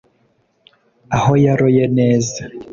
aho yaroye neza